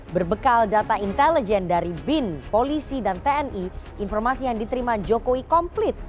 berbekal data intelijen dari bin polisi dan tni informasi yang diterima jokowi komplit